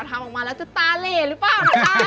ทำออกมาแล้วจะตาเหล่หรือเปล่านะจ๊ะ